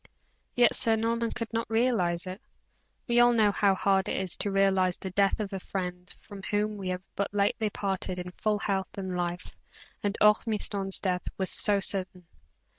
Yet, Sir Norman could not realize it. We all know how hard it is to realize the death of a friend from whom we have but lately parted in full health and life, and Ormiston's death was so sudden.